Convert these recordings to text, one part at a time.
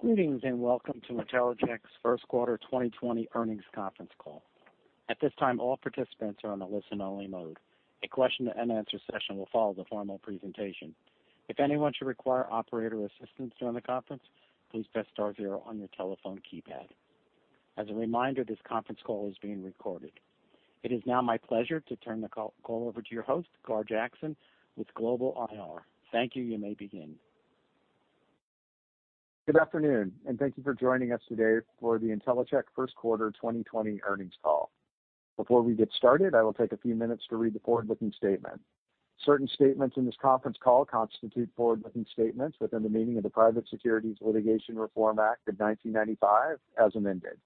Greetings and welcome to Intellicheck's first quarter 2020 earnings conference call. At this time, all participants are on a listen-only mode. A question-and-answer session will follow the formal presentation. If anyone should require operator assistance during the conference, please press star zero on your telephone keypad. As a reminder, this conference call is being recorded. It is now my pleasure to turn the call over to your host, Gar Jackson, with Global IR. Thank you. You may begin. Good afternoon, and thank you for joining us today for the Intellicheck first quarter 2020 earnings call. Before we get started, I will take a few minutes to read the forward-looking statement. Certain statements in this conference call constitute forward-looking statements within the meaning of the Private Securities Litigation Reform Act of 1995, as amended.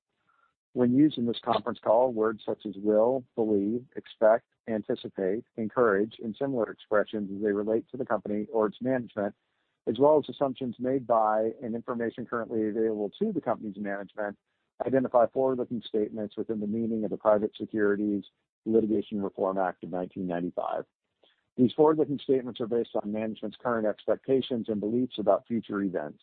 When used in this conference call, words such as will, believe, expect, anticipate, encourage, and similar expressions as they relate to the company or its management, as well as assumptions made by and information currently available to the company's management, identify forward-looking statements within the meaning of the Private Securities Litigation Reform Act of 1995. These forward-looking statements are based on management's current expectations and beliefs about future events.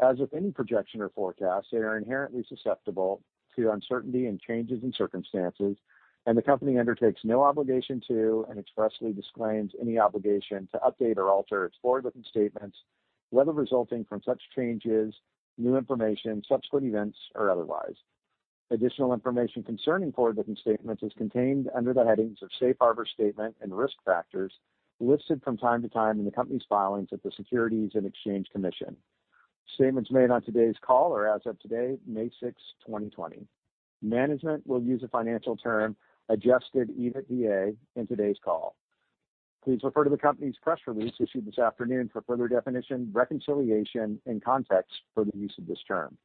As with any projection or forecast, they are inherently susceptible to uncertainty and changes in circumstances, and the company undertakes no obligation to and expressly disclaims any obligation to update or alter its forward-looking statements, whether resulting from such changes, new information, subsequent events, or otherwise. Additional information concerning forward-looking statements is contained under the headings of Safe Harbor Statement and Risk Factors, listed from time to time in the company's filings at the Securities and Exchange Commission. Statements made on today's call are, as of today, May 6, 2020. Management will use a financial term, Adjusted EBITDA, in today's call. Please refer to the company's press release issued this afternoon for further definition, reconciliation, and context for the use of this term.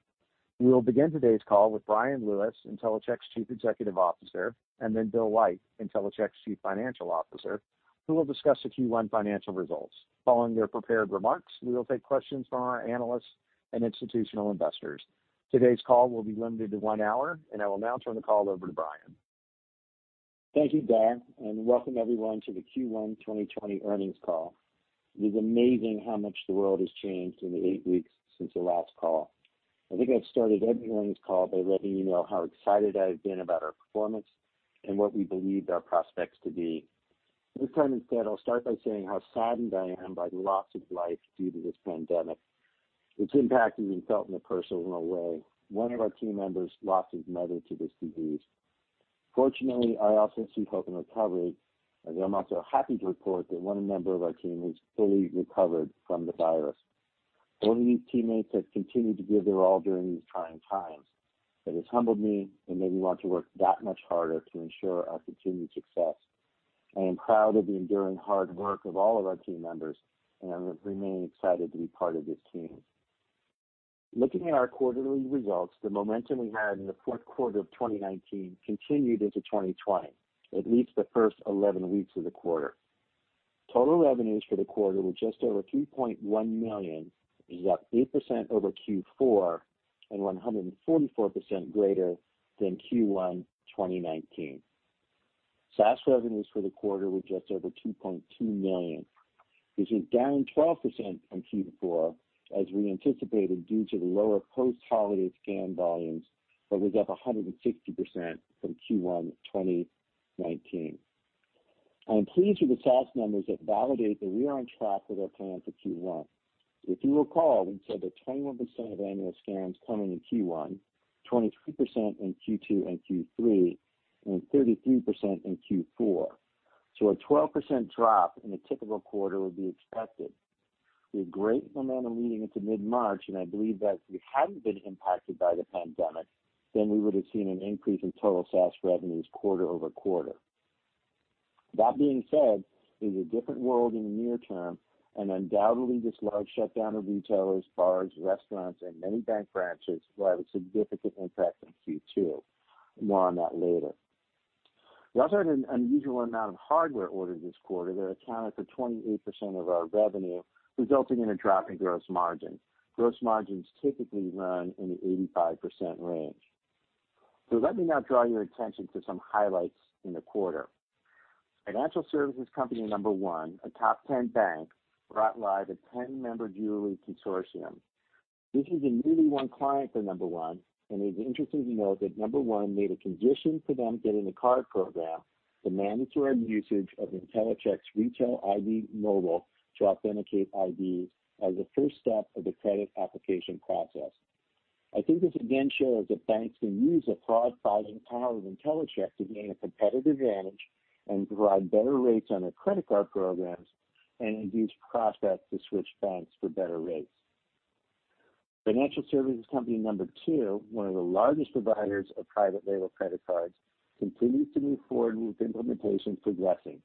We will begin today's call with Bryan Lewis, Intellicheck's Chief Executive Officer, and then Bill White, Intellicheck's Chief Financial Officer, who will discuss the Q1 financial results. Following their prepared remarks, we will take questions from our analysts and institutional investors. Today's call will be limited to one hour, and I will now turn the call over to Bryan. Thank you, Doug, and welcome everyone to the Q1 2020 earnings call. It is amazing how much the world has changed in the eight weeks since the last call. I think I started every earnings call by letting you know how excited I've been about our performance and what we believe our prospects to be. This time instead, I'll start by saying how saddened I am by the loss of life due to this pandemic. Its impact has been felt in a personal way. One of our team members lost his mother to this disease. Fortunately, I also see hope in recovery, as I'm also happy to report that one member of our team has fully recovered from the virus. All of these teammates have continued to give their all during these trying times. It has humbled me, and made me want to work that much harder to ensure our continued success. I am proud of the enduring hard work of all of our team members, and I remain excited to be part of this team. Looking at our quarterly results, the momentum we had in the fourth quarter of 2019 continued into 2020, at least the first 11 weeks of the quarter. Total revenues for the quarter were just over $3.1 million, which is up 8% over Q4 and 144% greater than Q1 2019. SaaS revenues for the quarter were just over $2.2 million. This is down 12% from Q4, as we anticipated due to the lower post-holiday scan volumes, but was up 160% from Q1 2019. I am pleased with the SaaS numbers that validate that we are on track with our plan for Q1. If you recall, we said that 21% of annual scans come in Q1, 23% in Q2 and Q3, and 33% in Q4, so a 12% drop in a typical quarter would be expected. With great momentum leading into mid-March, and I believe that if we hadn't been impacted by the pandemic, then we would have seen an increase in total SaaS revenues quarter over quarter. That being said, it is a different world in the near term, and undoubtedly, this large shutdown of retailers, bars, restaurants, and many bank branches will have a significant impact on Q2. More on that later. We also had an unusual amount of hardware ordered this quarter that accounted for 28% of our revenue, resulting in a drop in gross margin. Gross margins typically run in the 85% range, so let me now draw your attention to some highlights in the quarter. Financial services company number one, a top 10 bank, brought live a 10-member jewelry consortium. This is a newly won client for number one, and it is interesting to note that number one made a condition for them getting a card program to mandatory usage of Intellicheck's Retail ID Mobile to authenticate IDs as a first step of the credit application process. I think this again shows that banks can use the fraud-fighting power of Intellicheck to gain a competitive advantage and provide better rates on their credit card programs and induce prospects to switch banks for better rates. Financial services company number two, one of the largest providers of private label credit cards, continues to move forward with implementations progressing.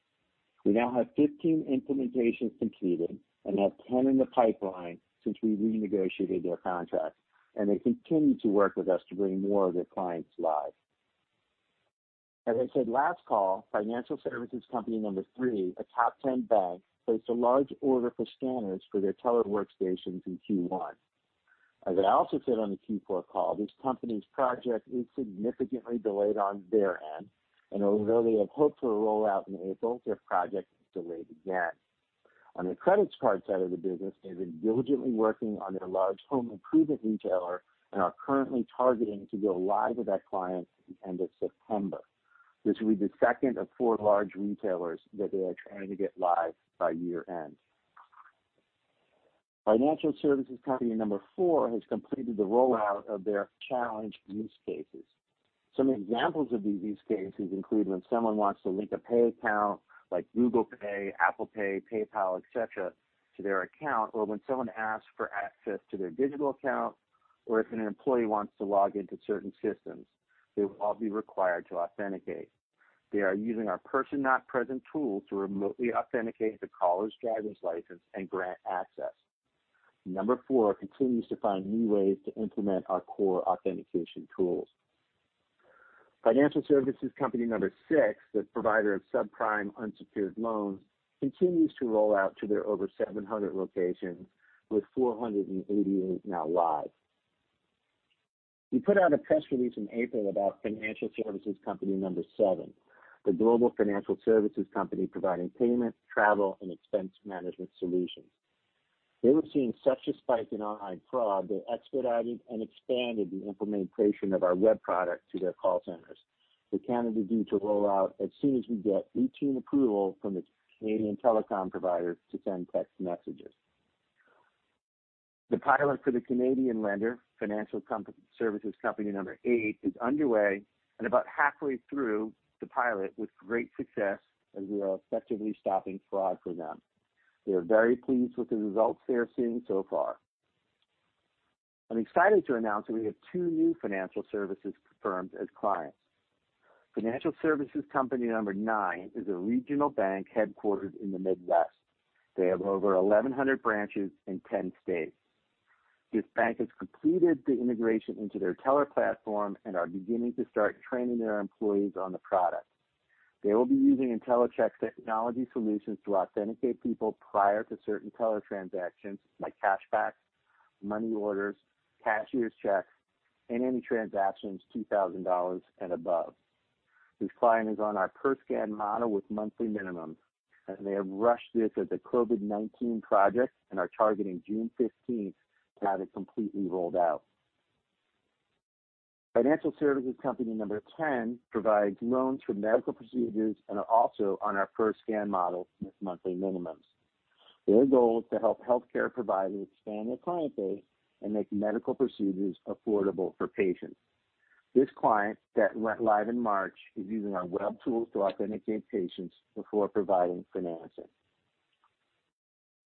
We now have 15 implementations completed and have 10 in the pipeline since we renegotiated their contracts, and they continue to work with us to bring more of their clients live. As I said last call, financial services company number three, a top 10 bank, placed a large order for scanners for their teller workstations in Q1. As I also said on the Q4 call, this company's project is significantly delayed on their end, and although they have hoped for a rollout in April, their project is delayed again. On the credit card side of the business, they've been diligently working on their large home improvement retailer and are currently targeting to go live with that client at the end of September. This will be the second of four large retailers that they are trying to get live by year-end. Financial services company number four has completed the rollout of their challenge use cases. Some examples of these use cases include when someone wants to link a pay account like Google Pay, Apple Pay, PayPal, etc., to their account, or when someone asks for access to their digital account, or if an employee wants to log into certain systems, they will all be required to authenticate. They are using our person-not-present tools to remotely authenticate the caller's driver's license and grant access. Number four continues to find new ways to implement our core authentication tools. Financial services company number six, the provider of subprime unsecured loans, continues to roll out to their over 700 locations, with 488 now live. We put out a press release in April about financial services company number seven, the global financial services company providing payment, travel, and expense management solutions. They were seeing such a spike in online fraud that they expedited and expanded the implementation of our web product to their call centers. They're planning to do the rollout as soon as we get routine approval from the Canadian telecom provider to send text messages. The pilot for the Canadian lender, financial services company number eight, is underway and about halfway through the pilot with great success as we are effectively stopping fraud for them. They are very pleased with the results they are seeing so far. I'm excited to announce that we have two new financial services firms as clients. Financial services company number nine is a regional bank headquartered in the Midwest. They have over 1,100 branches in 10 states. This bank has completed the integration into their teller platform and are beginning to start training their employees on the product. They will be using Intellicheck's technology solutions to authenticate people prior to certain teller transactions like cash back, money orders, cashier's checks, and any transactions $2,000 and above. This client is on our per-scan model with monthly minimums, and they have rushed this as a COVID-19 project and are targeting June 15th to have it completely rolled out. Financial services company number 10 provides loans for medical procedures and are also on our per-scan model with monthly minimums. Their goal is to help healthcare providers expand their client base and make medical procedures affordable for patients. This client that went live in March is using our web tools to authenticate patients before providing financing.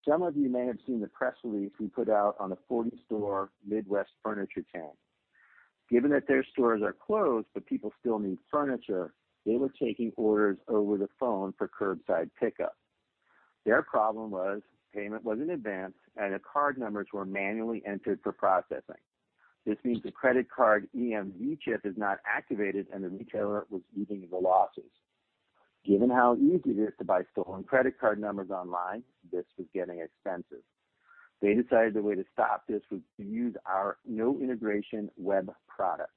Some of you may have seen the press release we put out on a 40-store Midwest furniture chain. Given that their stores are closed, but people still need furniture, they were taking orders over the phone for curbside pickup. Their problem was payment was in advance and the card numbers were manually entered for processing. This means the credit card EMV chip is not activated and the retailer was eating the losses. Given how easy it is to buy stolen credit card numbers online, this was getting expensive. They decided the way to stop this was to use our no-integration web product.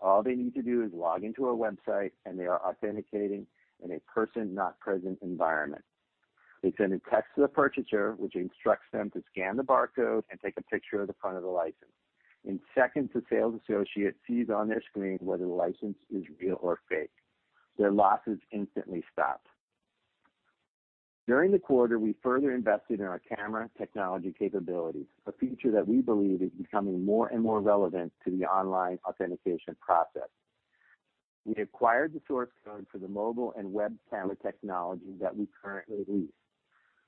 All they need to do is log into our website and they are authenticating in a person-not-present environment. They send a text to the purchaser, which instructs them to scan the barcode and take a picture of the front of the license. In seconds, the sales associate sees on their screen whether the license is real or fake. Their losses instantly stop. During the quarter, we further invested in our camera technology capabilities, a feature that we believe is becoming more and more relevant to the online authentication process. We acquired the source code for the mobile and web camera technology that we currently lease.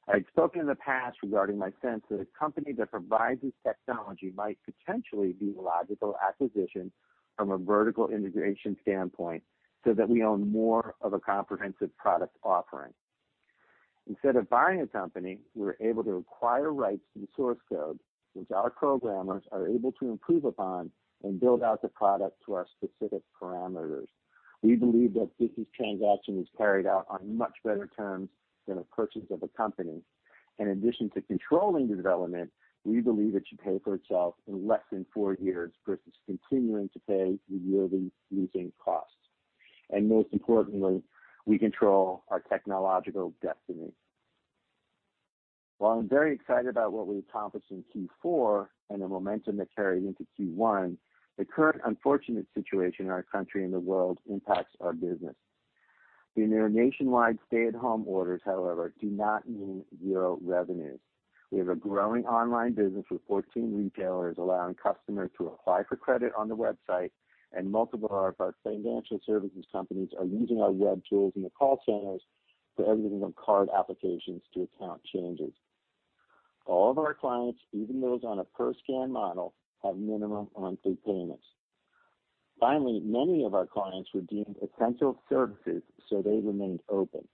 I've spoken in the past regarding my sense that a company that provides this technology might potentially be a logical acquisition from a vertical integration standpoint so that we own more of a comprehensive product offering. Instead of buying a company, we're able to acquire rights to the source code, which our programmers are able to improve upon and build out the product to our specific parameters. We believe that this transaction is carried out on much better terms than a purchase of a company. In addition to controlling the development, we believe it should pay for itself in less than four years versus continuing to pay the yearly leasing costs, and most importantly, we control our technological destiny. While I'm very excited about what we accomplished in Q4 and the momentum that carried into Q1, the current unfortunate situation in our country and the world impacts our business. The near nationwide stay-at-home orders, however, do not mean zero revenues. We have a growing online business with 14 retailers allowing customers to apply for credit on the website, and multiple of our financial services companies are using our web tools in the call centers for everything from card applications to account changes. All of our clients, even those on a per-scan model, have minimum monthly payments. Finally, many of our clients were deemed essential services, so they remained open.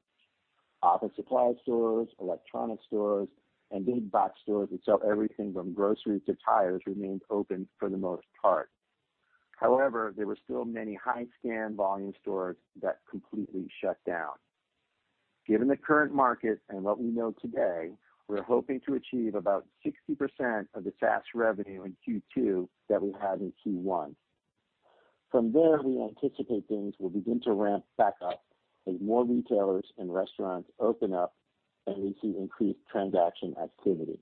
Office supply stores, electronic stores, and big box stores that sell everything from groceries to tires remained open for the most part. However, there were still many high-scan volume stores that completely shut down. Given the current market and what we know today, we're hoping to achieve about 60% of the SaaS revenue in Q2 that we had in Q1. From there, we anticipate things will begin to ramp back up as more retailers and restaurants open up and we see increased transaction activity.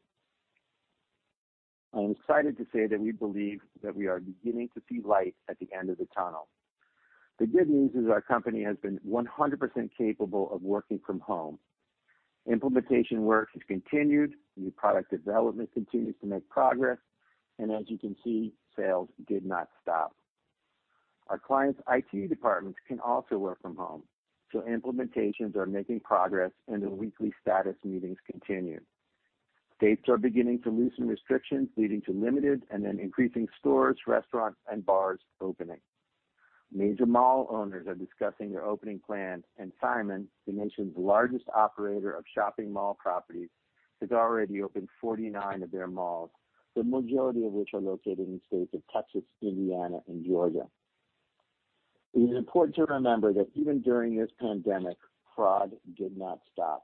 I am excited to say that we believe that we are beginning to see light at the end of the tunnel. The good news is our company has been 100% capable of working from home. Implementation work has continued, new product development continues to make progress, and as you can see, sales did not stop. Our clients' IT departments can also work from home, so implementations are making progress and the weekly status meetings continue. States are beginning to loosen restrictions, leading to limited and then increasing stores, restaurants, and bars opening. Major mall owners are discussing their opening plans, and Simon, the nation's largest operator of shopping mall properties, has already opened 49 of their malls, the majority of which are located in the states of Texas, Indiana, and Georgia. It is important to remember that even during this pandemic, fraud did not stop.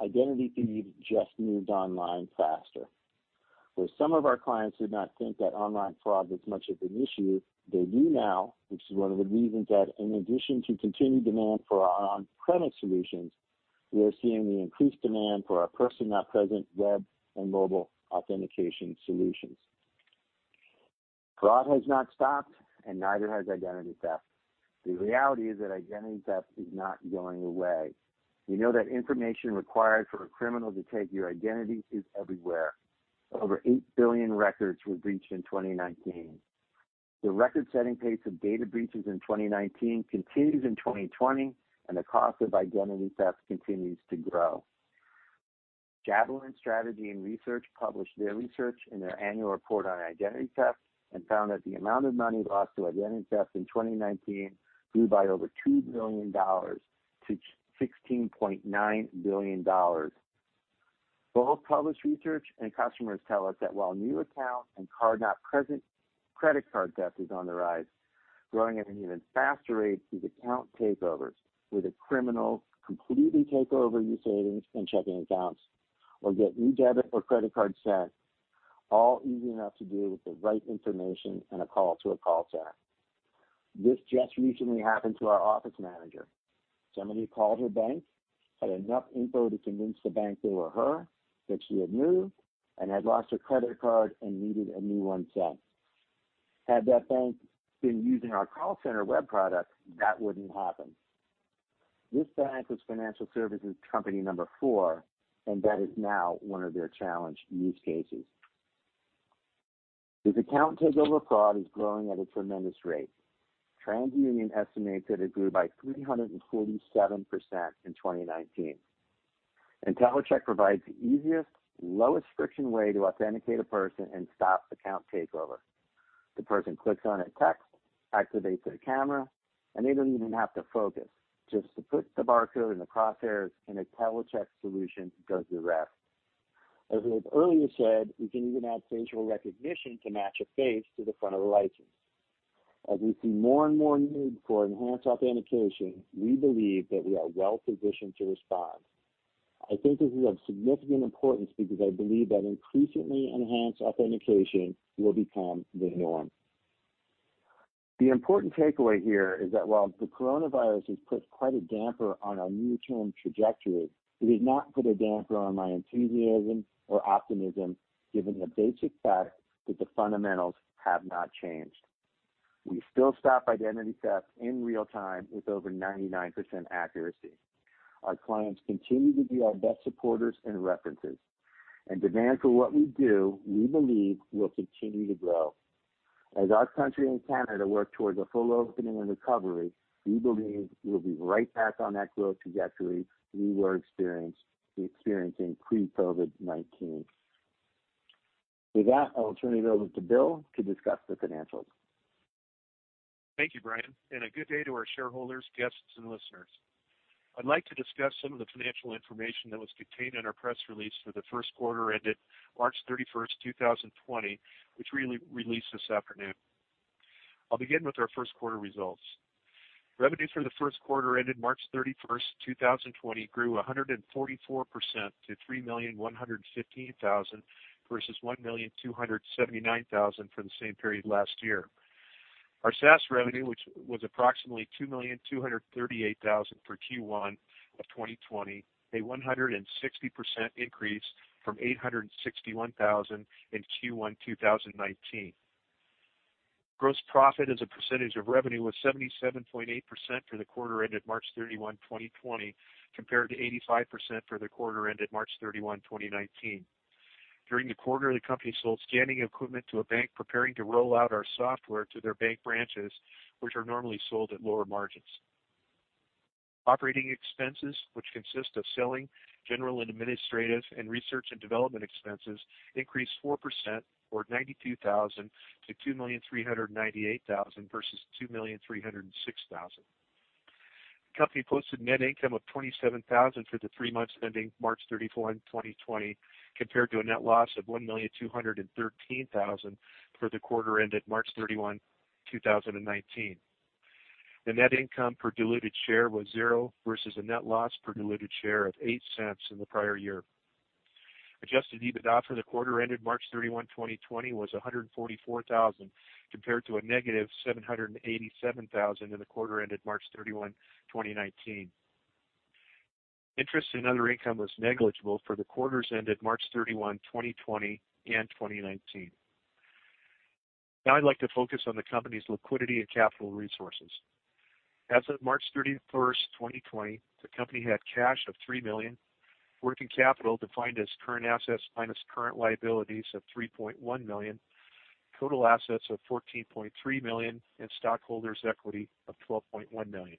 Identity theft just moved online faster. Where some of our clients did not think that online fraud was much of an issue, they do now, which is one of the reasons that in addition to continued demand for our on-premise solutions, we are seeing the increased demand for our person-not-present web and mobile authentication solutions. Fraud has not stopped, and neither has identity theft. The reality is that identity theft is not going away. We know that information required for a criminal to take your identity is everywhere. Over eight billion records were breached in 2019. The record-setting pace of data breaches in 2019 continues in 2020, and the cost of identity theft continues to grow. Javelin Strategy & Research published their research in their annual report on identity theft and found that the amount of money lost to identity theft in 2019 grew by over $2 billion to $16.9 billion. Both published research and customers tell us that while new account and card-not-present credit card theft is on the rise, growing at an even faster rate is account takeovers, where the criminals completely take over your savings and checking accounts or get new debit or credit card sent, all easy enough to do with the right information and a call to a call center. This just recently happened to our office manager. Somebody called her bank, had enough info to convince the bank they were her, that she had moved and had lost her credit card and needed a new one sent. Had that bank been using our call center web product, that wouldn't happen. This bank was financial services company number four, and that is now one of their challenge use cases. This account takeover fraud is growing at a tremendous rate. TransUnion estimates it had grown by 347% in 2019. Intellicheck provides the easiest, lowest friction way to authenticate a person and stop account takeover. The person clicks on a text, activates their camera, and they don't even have to focus. Just to put the barcode and the crosshairs in an Intellicheck solution does the rest. As we have earlier said, we can even add facial recognition to match a face to the front of the license. As we see more and more need for enhanced authentication, we believe that we are well positioned to respond. I think this is of significant importance because I believe that increasingly enhanced authentication will become the norm. The important takeaway here is that while the coronavirus has put quite a damper on our near-term trajectory, it has not put a damper on my enthusiasm or optimism, given the basic fact that the fundamentals have not changed. We still stop identity theft in real time with over 99% accuracy. Our clients continue to be our best supporters and references, and demand for what we do, we believe, will continue to grow. As our country and Canada work towards a full opening and recovery, we believe we'll be right back on that growth trajectory we were experiencing pre-COVID-19. With that, I will turn it over to Bill to discuss the financials. Thank you, Bryan, and a good day to our shareholders, guests, and listeners. I'd like to discuss some of the financial information that was contained in our press release for the first quarter ended March 31st, 2020, which we released this afternoon. I'll begin with our first quarter results. Revenues for the first quarter ended March 31st, 2020, grew 144% to $3,115,000 versus $1,279,000 for the same period last year. Our SaaS revenue, which was approximately $2,238,000 for Q1 of 2020, a 160% increase from $861,000 in Q1 2019. Gross profit as a percentage of revenue was 77.8% for the quarter ended March 31, 2020, compared to 85% for the quarter ended March 31, 2019. During the quarter, the company sold scanning equipment to a bank preparing to roll out our software to their bank branches, which are normally sold at lower margins. Operating expenses, which consist of selling, general and administrative, and research and development expenses, increased 4%, or $92,000, to $2,398,000 versus $2,306,000. The company posted net income of $27,000 for the three months ending March 31, 2020, compared to a net loss of $1,213,000 for the quarter ended March 31, 2019. The net income per diluted share was zero versus a net loss per diluted share of $0.08 in the prior year. Adjusted EBITDA for the quarter ended March 31, 2020, was $144,000 compared to a negative $787,000 in the quarter ended March 31, 2019. Interest and other income was negligible for the quarters ended March 31, 2020, and 2019. Now I'd like to focus on the company's liquidity and capital resources. As of March 31st, 2020, the company had cash of $3 million, working capital defined as current assets minus current liabilities of $3.1 million, total assets of $14.3 million, and stockholders' equity of $12.1 million.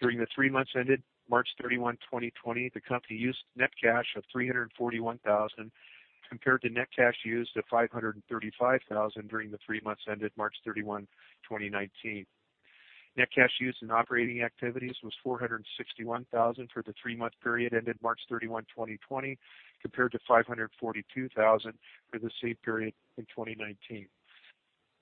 During the three months ended March 31, 2020, the company used net cash of $341,000 compared to net cash used of $535,000 during the three months ended March 31, 2019. Net cash used in operating activities was $461,000 for the three-month period ended March 31, 2020, compared to $542,000 for the same period in 2019.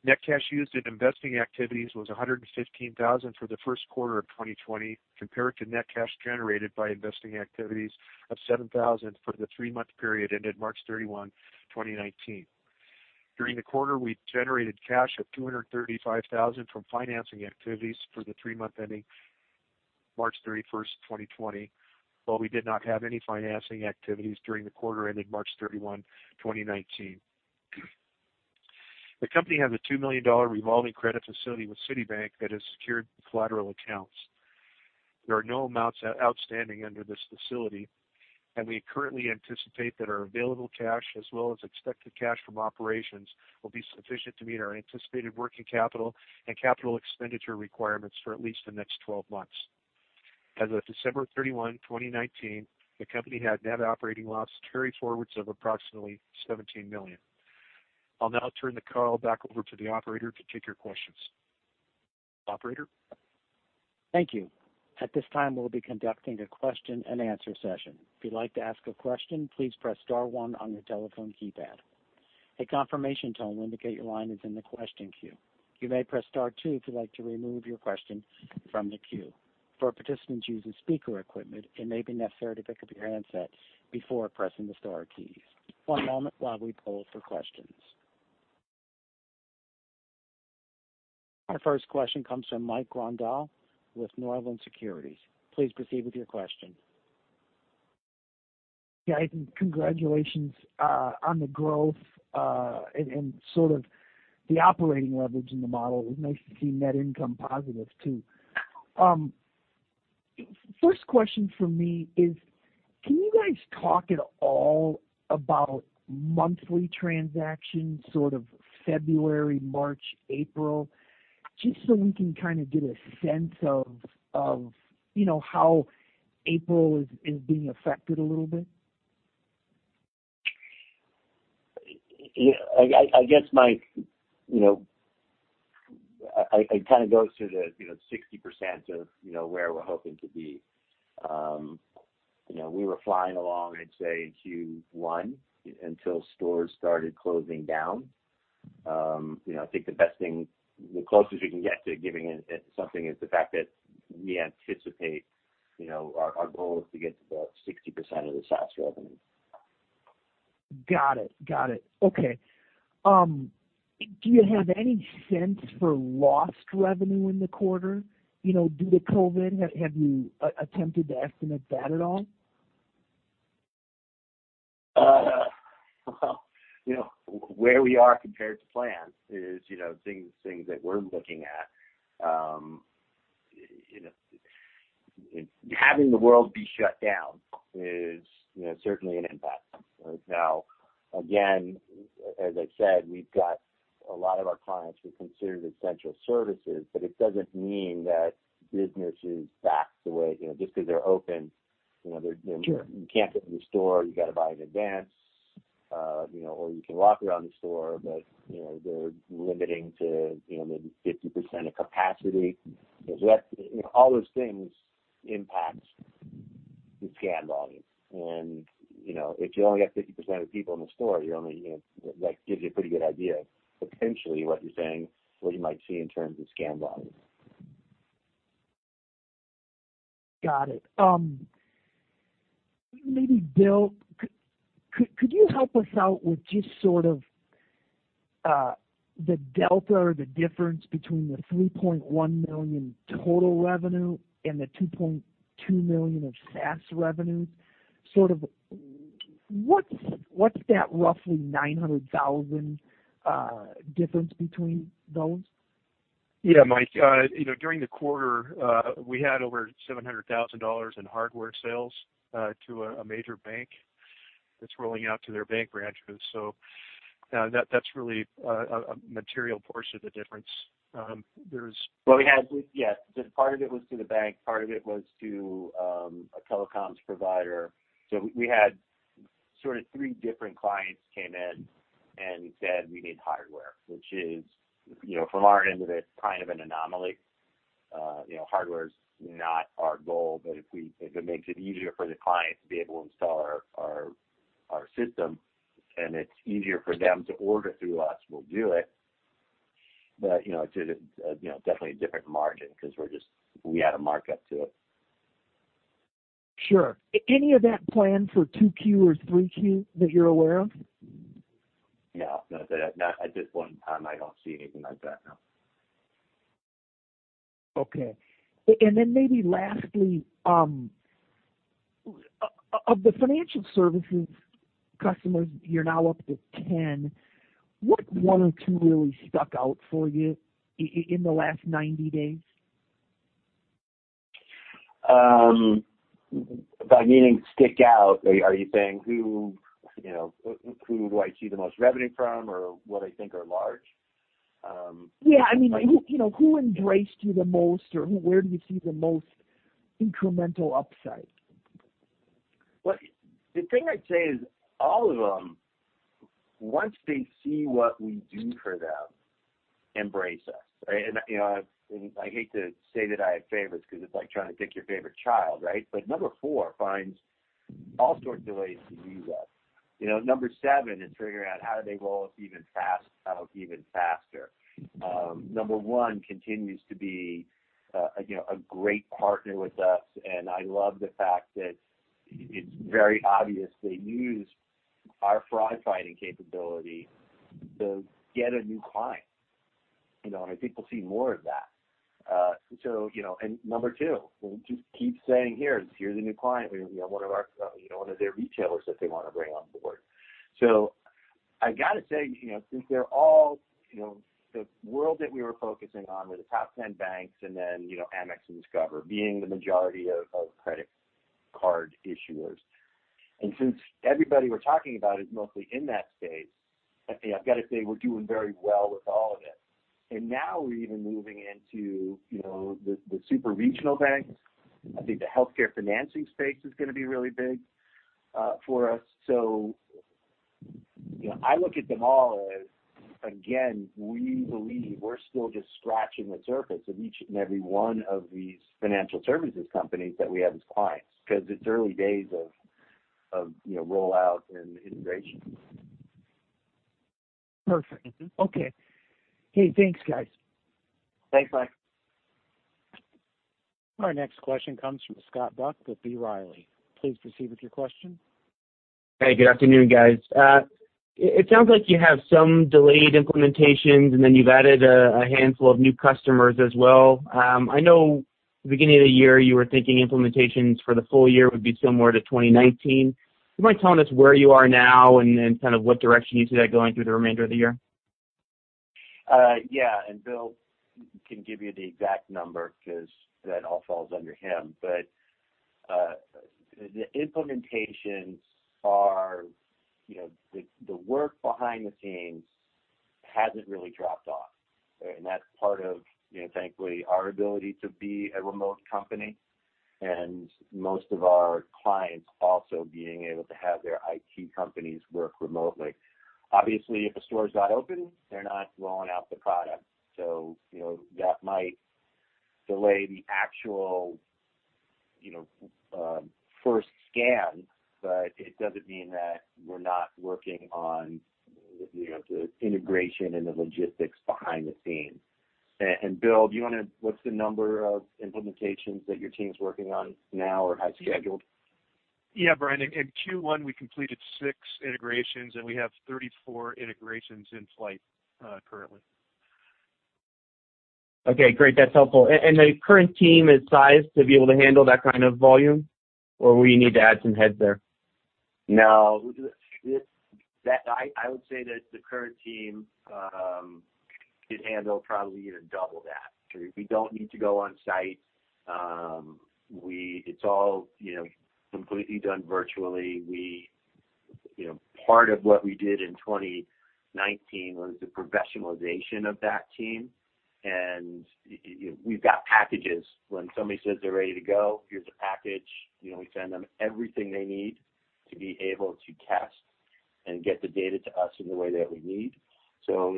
Net cash used in investing activities was $115,000 for the first quarter of 2020 compared to net cash generated by investing activities of $7,000 for the three-month period ended March 31, 2019. During the quarter, we generated cash of $235,000 from financing activities for the three-month ending March 31st, 2020, while we did not have any financing activities during the quarter ended March 31, 2019. The company has a $2 million revolving credit facility with Citibank that has secured collateral accounts. There are no amounts outstanding under this facility, and we currently anticipate that our available cash, as well as expected cash from operations, will be sufficient to meet our anticipated working capital and capital expenditure requirements for at least the next 12 months. As of December 31, 2019, the company had net operating loss carry forwards of approximately $17 million. I'll now turn the call back over to the operator to take your questions. Operator. Thank you. At this time, we'll be conducting a question-and-answer session. If you'd like to ask a question, please press star one on your telephone keypad. A confirmation tone will indicate your line is in the question queue. You may press star two if you'd like to remove your question from the queue. For participants using speaker equipment, it may be necessary to pick up your handset before pressing the star keys. One moment while we poll for questions. Our first question comes from Mike Grondahl with Northland Securities. Please proceed with your question. Yeah, I think congratulations on the growth and sort of the operating leverage in the model. It was nice to see net income positive, too. First question for me is, can you guys talk at all about monthly transactions, sort of February, March, April, just so we can kind of get a sense of how April is being affected a little bit? Yeah, I guess my I kind of go through the 60% of where we're hoping to be. We were flying along, I'd say, in Q1 until stores started closing down. I think the best thing, the closest we can get to giving something, is the fact that we anticipate our goal is to get to about 60% of the SaaS revenue. Got it. Got it. Okay. Do you have any sense for lost revenue in the quarter due to COVID? Have you attempted to estimate that at all? Well, where we are compared to plan is things that we're looking at. Having the world be shut down is certainly an impact. Now, again, as I said, we've got a lot of our clients who considered essential services, but it doesn't mean that business is back the way just because they're open. You can't go to the store. You've got to buy in advance, or you can walk around the store, but they're limiting to maybe 50% of capacity, so all those things impact the scan volume. And if you only have 50% of the people in the store, that gives you a pretty good idea of potentially what you're saying, what you might see in terms of scan volume. Got it. Maybe, Bill, could you help us out with just sort of the delta or the difference between the $3.1 million total revenue and the $2.2 million of SaaS revenue? Sort of what's that roughly $900,000 difference between those? Yeah, Mike. During the quarter, we had over $700,000 in hardware sales to a major bank that's rolling out to their bank branches. So that's really a material portion of the difference. Part of it was to the bank. Part of it was to a telecoms provider. So we had sort of three different clients came in and said, "We need hardware," which is, from our end of it, kind of an anomaly. Hardware is not our goal, but if it makes it easier for the client to be able to install our system and it's easier for them to order through us, we'll do it. But it's definitely a different margin because we had a markup to it. Sure. Any of that planned for Q2 or Q3 that you're aware of? No. Not at this point in time. I don't see anything like that, no. Okay. And then maybe lastly, of the financial services customers, you're now up to 10. What one or two really stuck out for you in the last 90 days? ones that stick out, are you saying who do you see the most revenue from or what you think are large? Yeah. I mean, who embraced you the most, or where do you see the most incremental upside? Well, the thing I'd say is all of them, once they see what we do for them, embrace us. And I hate to say that I have favorites because it's like trying to pick your favorite child, right? But number four finds all sorts of ways to use us. Number seven is figuring out how do they roll us even faster, even faster. Number one continues to be a great partner with us, and I love the fact that it's very obvious they use our fraud-fighting capability to get a new client. And I think we'll see more of that. And number two, they just keep saying, "Here's a new client. We have one of their retailers that they want to bring on board." So I've got to say, since they're all over the world that we were focusing on were the top 10 banks and then AmEx and Discover being the majority of credit card issuers. And since everybody we're talking about is mostly in that space, I've got to say we're doing very well with all of it. And now we're even moving into the super regional banks. I think the healthcare financing space is going to be really big for us. So I look at them all as, again, we believe we're still just scratching the surface of each and every one of these financial services companies that we have as clients because it's early days of rollout and integration. Perfect. Okay. Hey, thanks, guys. Thanks, Mike. Our next question comes from Scott Buck with H.C. Wainwright.Please proceed with your question. Hey, good afternoon, guys. It sounds like you have some delayed implementations, and then you've added a handful of new customers as well. I know at the beginning of the year you were thinking implementations for the full year would be somewhere to 2019. You mind telling us where you are now and kind of what direction you see that going through the remainder of the year? Yeah. And Bill can give you the exact number because that all falls under him. But the implementations are the work behind the scenes hasn't really dropped off. And that's part of, thankfully, our ability to be a remote company and most of our clients also being able to have their IT companies work remotely. Obviously, if a store is not open, they're not rolling out the product. So that might delay the actual first scan, but it doesn't mean that we're not working on the integration and the logistics behind the scenes. And Bill, do you want to what's the number of implementations that your team is working on now or has scheduled? Yeah, Bryan. In Q1, we completed six integrations, and we have 34 integrations in place currently. Okay. Great. That's helpful. And the current team is sized to be able to handle that kind of volume, or will you need to add some heads there? No. I would say that the current team could handle probably even double that. We don't need to go on site. It's all completely done virtually. Part of what we did in 2019 was the professionalization of that team. And we've got packages. When somebody says they're ready to go, here's a package. We send them everything they need to be able to test and get the data to us in the way that we need. So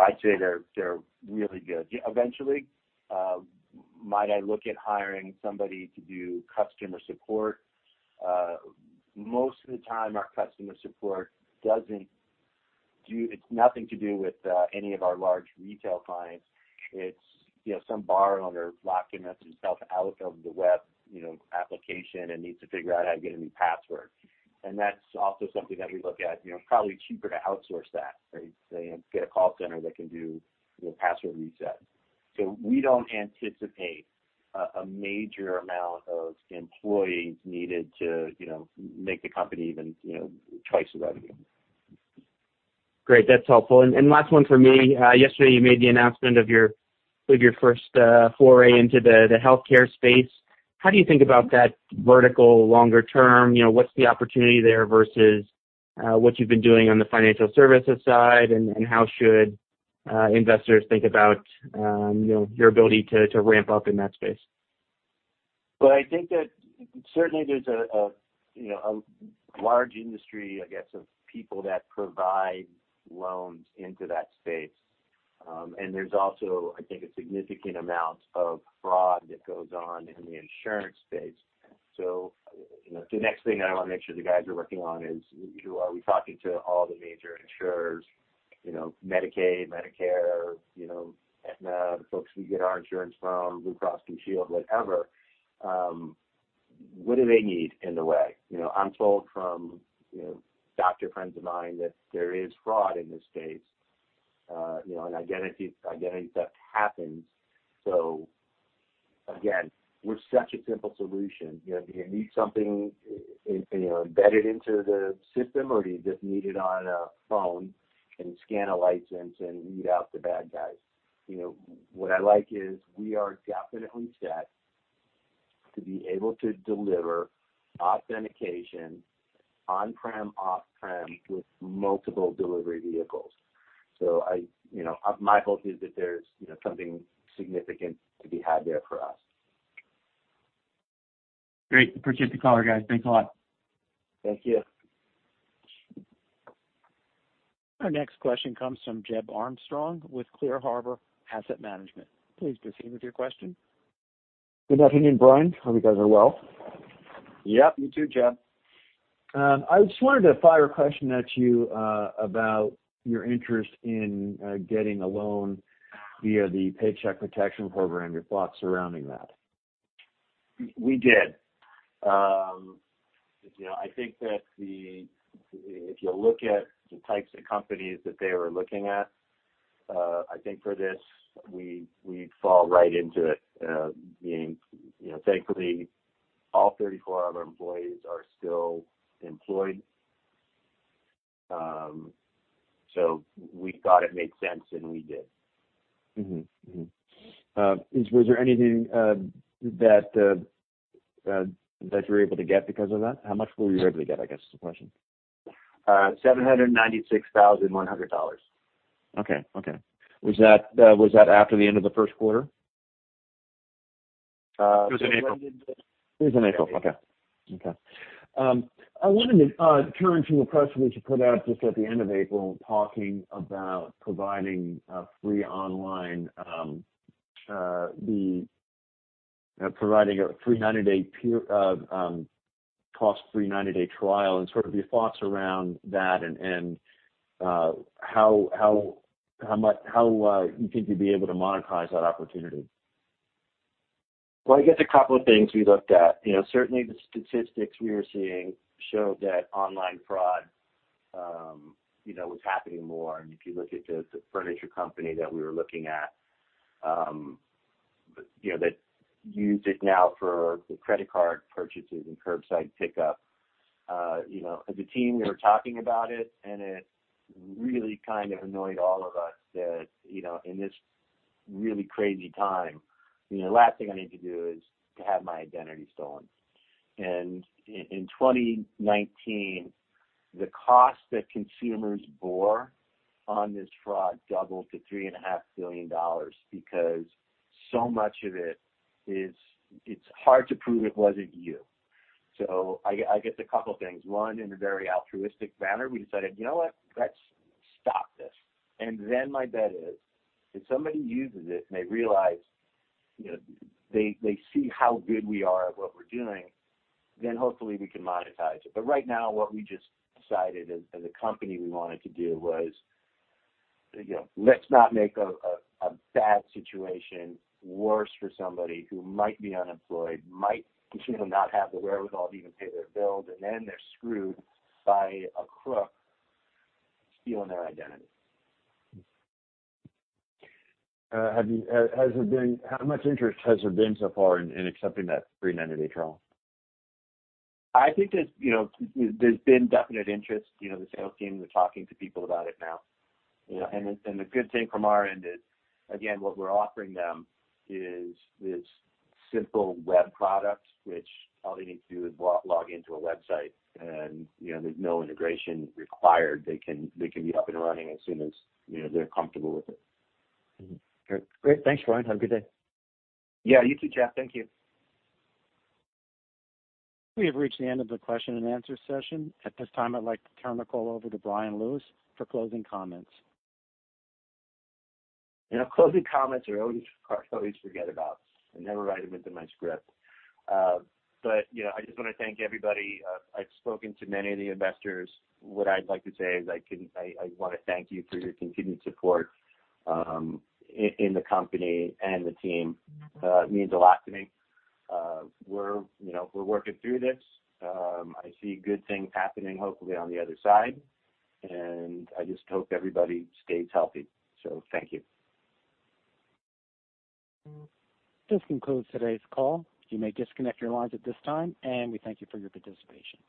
I'd say they're really good. Eventually, we might look at hiring somebody to do customer support. Most of the time, our customer support doesn't do. It's nothing to do with any of our large retail clients. It's some borrower locked themselves out of the web application and needs to figure out how to get a new password. And that's also something that we look at. Probably cheaper to outsource that, right? Get a call center that can do password reset. So we don't anticipate a major amount of employees needed to make the company even twice the revenue. Great. That's helpful. And last one for me. Yesterday, you made the announcement of your first foray into the healthcare space. How do you think about that vertical longer term? What's the opportunity there versus what you've been doing on the financial services side, and how should investors think about your ability to ramp up in that space? Well, I think that certainly there's a large industry, I guess, of people that provide loans into that space. And there's also, I think, a significant amount of fraud that goes on in the insurance space. So the next thing I want to make sure the guys are working on is, are we talking to all the major insurers? Medicaid, Medicare, Aetna, the folks we get our insurance from, Blue Cross Blue Shield, whatever. What do they need in the way? I'm told from doctor friends of mine that there is fraud in this space. An identity theft happens. So again, we're such a simple solution. Do you need something embedded into the system, or do you just need it on a phone and scan a license and weed out the bad guys? What I like is we are definitely set to be able to deliver authentication on-prem, off-prem with multiple delivery vehicles. So my hope is that there's something significant to be had there for us. Great. Appreciate the call, guys. Thanks a lot. Thank you. Our next question comes from Jeb Armstrong with Clear Harbor Asset Management. Please proceed with your question. Good afternoon, Bryan. I hope you guys are well. Yep. You too, Jeb. I just wanted to fire a question at you about your interest in getting a loan via the Paycheck Protection Program, your thoughts surrounding that. We did. I think that if you look at the types of companies that they were looking at, I think for this, we fall right into it. Thankfully, all 34 of our employees are still employed. So we thought it made sense, and we did. Was there anything that you were able to get because of that? How much were you able to get, I guess, is the question? $796,100. Okay. Okay. Was that after the end of the first quarter? It was in April. It was in April. Okay. Okay. I wanted to turn to a press release you put out just at the end of April talking about providing a free 90-day cost-free trial, and sort of your thoughts around that and how much you think you'd be able to monetize that opportunity. Well, I guess a couple of things we looked at. Certainly, the statistics we were seeing showed that online fraud was happening more, and if you look at the furniture company that we were looking at that used it now for credit card purchases and curbside pickup. As a team, we were talking about it, and it really kind of annoyed all of us that in this really crazy time, the last thing I need to do is to have my identity stolen, and in 2019, the cost that consumers bore on this fraud doubled to $3.5 billion because so much of it is it's hard to prove it wasn't you, so I guess a couple of things. One, in a very altruistic manner, we decided, "You know what? Let's stop this," and then my bet is, if somebody uses it and they realize they see how good we are at what we're doing, then hopefully we can monetize it. But right now, what we just decided as a company we wanted to do was, let's not make a bad situation worse for somebody who might be unemployed, might not have the wherewithal to even pay their bills, and then they're screwed by a crook stealing their identity. How much interest has there been so far in accepting that free 90-day trial? I think there's been definite interest. The sales team is talking to people about it now. And the good thing from our end is, again, what we're offering them is this simple web product, which all they need to do is log into a website. And there's no integration required. They can be up and running as soon as they're comfortable with it. Great. Thanks, Brian. Have a good day. Yeah. You too, Jeb. Thank you. We have reached the end of the question and answer session. At this time, I'd like to turn the call over to Bryan Lewis for closing comments. Closing comments are always forgotten about. I never write them into my script, but I just want to thank everybody. I've spoken to many of the investors. What I'd like to say is I want to thank you for your continued support in the company and the team. It means a lot to me. We're working through this. I see good things happening, hopefully, on the other side, and I just hope everybody stays healthy, so thank you. This concludes today's call. You may disconnect your lines at this time, and we thank you for your participation.